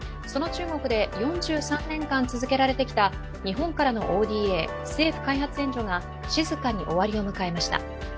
その中国で４３年間続けられてきた日本からのＯＤＡ＝政府開発援助が静かに終わりを迎えました。